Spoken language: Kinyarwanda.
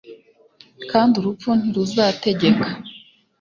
kandi urupfu ntiruzategeka